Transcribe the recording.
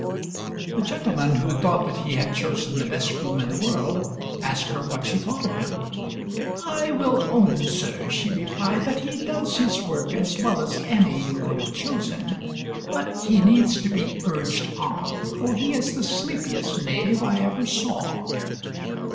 The gentleman, who thought that he had chosen the best groom in the world, asked her what she thought of him. "I will own, sir," she replied, "that he does his work as well as any you could have chosen, but he needs to be urged on, for he is the sleepiest knave I ever saw."